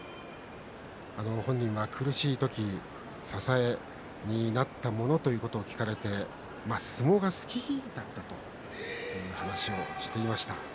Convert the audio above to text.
本人は苦しい時支えになったものということを聞かれて相撲が好きだったという話をしていました。